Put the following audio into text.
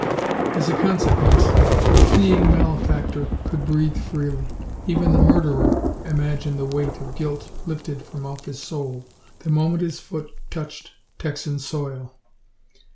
As a consequence, the fleeing malefactor could breathe freely even the murderer imagine the weight of guilt lifted from off his soul the moment his foot touched Texan soil.